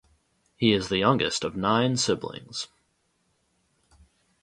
He is the youngest of nine siblings.